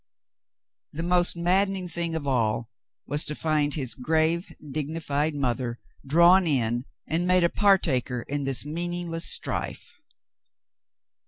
The most madden ing thing of all was to find his grave, dignified mother drawn in and made a partaker in this meaningless strife.